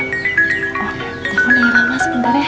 teleponnya lama sebentar ya